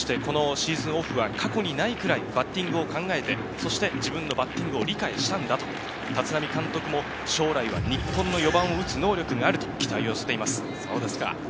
シーズンオフは過去にないくらいバッティングを考えて、そして自分のバッティングを理解したんだと、立浪監督も将来は日本の４番を打つ能力があると期待を寄せています。